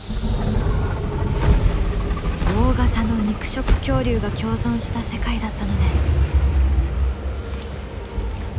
大型の肉食恐竜が共存した世界だったのです。